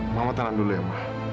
mama tenang dulu ya ma